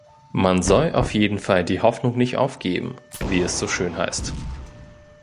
Man soll auf jeden Fall die Hoffnung nicht aufgeben, wie es so schön heißt.